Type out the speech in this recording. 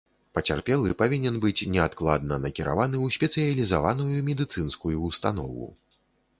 Пацярпелы павінен быць неадкладна накіраваны ў спецыялізаваную медыцынскую ўстанову.